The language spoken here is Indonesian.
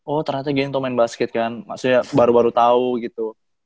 oh ternyata gento main basket kan maksudnya baru baru tau gitu